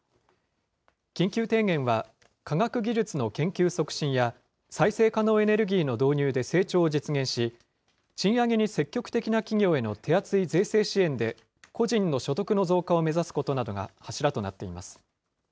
緊急提言は、科学技術の研究促進や、再生可能エネルギーの導入で成長を実現し、賃上げに積極的な企業への手厚い税制支援で、個人の所得の増加を目指すことなどが柱となっています。